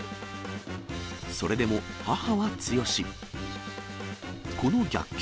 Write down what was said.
それでも母は強し。